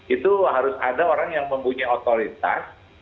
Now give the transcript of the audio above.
itu harus ada orang yang mempunyai otoritas